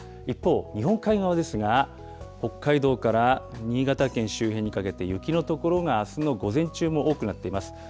一方、日本海側ですが、北海道から新潟県周辺にかけて雪の所があすの午前中も多くなっています。